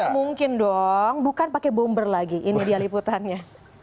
mungkin dong bukan pakai bomber lagi ini dia liputannya